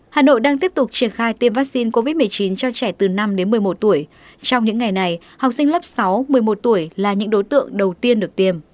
hà nội đang tiếp tục triển khai tiêm vaccine covid một mươi chín cho trẻ từ năm đến một mươi một tuổi trong những ngày này học sinh lớp sáu một mươi một tuổi là những đối tượng đầu tiên được tiêm